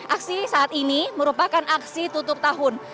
aksi saat ini merupakan aksi tutup tahun